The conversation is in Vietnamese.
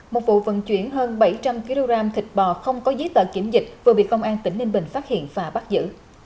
một vụ vận chuyển hơn bảy trăm linh kg thịt bò không có giấy tờ kiểm dịch vừa bị công an tỉnh ninh bình phát hiện và bắt giữ